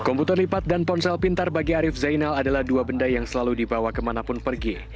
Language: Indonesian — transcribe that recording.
komputer lipat dan ponsel pintar bagi arief zainal adalah dua benda yang selalu dibawa kemanapun pergi